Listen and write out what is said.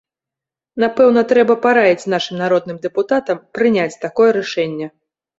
Напэўна, трэба параіць нашым народным дэпутатам прыняць такое рашэнне.